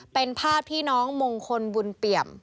เป็นภาพที่น้องมงคลบุญเปี่ยม